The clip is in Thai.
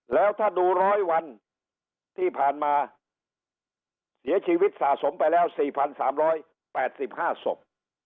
แล้วถ้าดู๑๐๐วันที่ผ่านมาเสียชีวิตสะสมไปแล้ว๔๓๘๕ศพ